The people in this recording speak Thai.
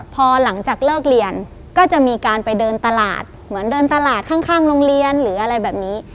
พอหลังจากเลิกเรียนก็จะมีการไปเดินตลาดเหมือนเดินตลาดข้างโรงเรียนหรืออะไรแบบนี้